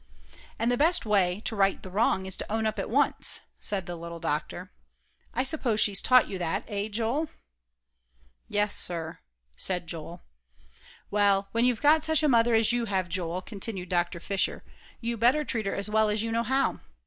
"And the best way to right the wrong is to own up at once," said the little doctor. "I suppose she's taught you that, eh, Joel?" "Yes, sir," said Joel. "Well, when you've got such a mother as you have, Joel," continued Dr. Fisher, "you better treat her as well as you know how.